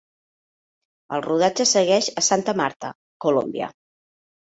El rodatge segueix a Santa Marta, Colòmbia.